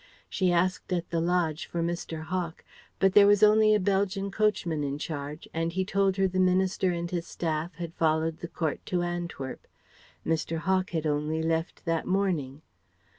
She asked at the lodge for Mr. Hawk; but there was only a Belgian coachman in charge, and he told her the Minister and his staff had followed the Court to Antwerp. Mr. Hawk had only left that morning.